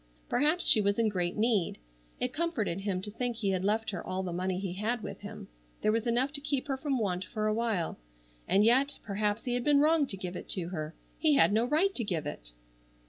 Perhaps she was in great need. It comforted him to think he had left her all the money he had with him. There was enough to keep her from want for a while. And yet, perhaps he had been wrong to give it to her. He had no right to give it!